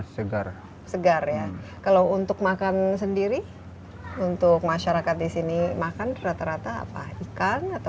segar segar ya kalau untuk makan sendiri untuk masyarakat di sini makan rata rata apa ikan atau